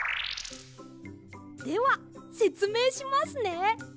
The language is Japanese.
ではせつめいしますね。